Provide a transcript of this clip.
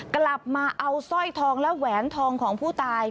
กลับมาเอาสร้อยทองและแหวนทองของผู้ตาย